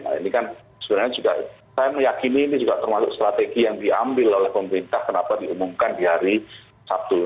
nah ini kan sebenarnya juga saya meyakini ini juga termasuk strategi yang diambil oleh pemerintah kenapa diumumkan di hari sabtu